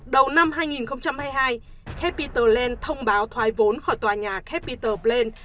đầu năm hai nghìn hai mươi hai capitol land thông báo thoái vốn khỏi tòa nhà capitol plain